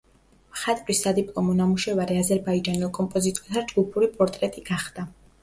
მხატვრის სადიპლომო ნამუშევარი აზერბაიჯანელ კომპოზიტორთა ჯგუფური პორტრეტი გახდა.